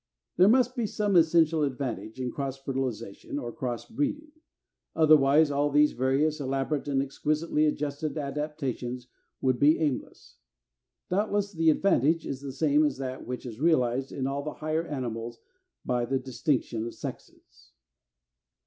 342. There must be some essential advantage in cross fertilization or cross breeding. Otherwise all these various, elaborate, and exquisitely adjusted adaptations would be aimless. Doubtless the advantage is the same as that which is realized in all the higher animals by the distinction of sexes.